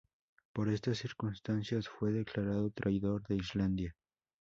Por estas circunstancias fue declarado traidor de Islandia.